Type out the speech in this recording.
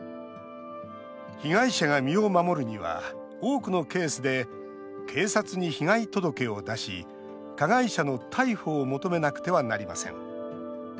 被害者が身を守るには多くのケースで警察に被害届を出し加害者の逮捕を求めなくてはなりません。